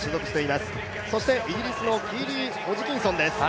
イギリスのキーリー・ホジキンソンです。